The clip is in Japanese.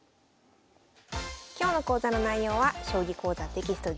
今日の講座の内容は「将棋講座」テキスト